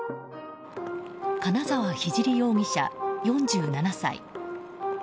金澤聖容疑者、４７歳。